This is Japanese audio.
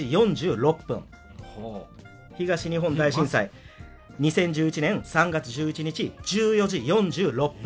東日本大震災２０１１年３月１１日１４時４６分。